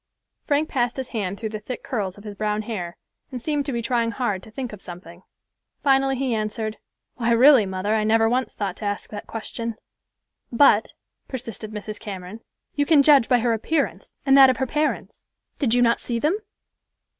Frank passed his hand through the thick curls of his brown hair, and seemed to be trying hard to think of something. Finally he answered, "Why, really, mother, I never once thought to ask that question." "But," persisted Mrs. Cameron, "you can judge by her appearance, and that of her parents. Did you not see them?"